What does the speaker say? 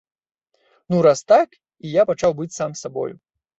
Ну, раз так, і я пачаў быць сам сабою.